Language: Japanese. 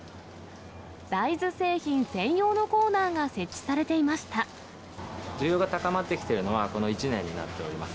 大豆製品専用のコーナーが設需要が高まってきているのは、この１年になっております。